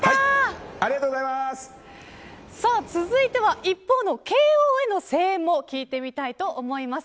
続いては一方の慶応への声援も聞いてみたいと思います。